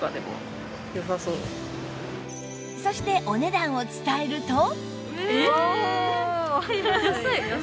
そしてお値段を伝えると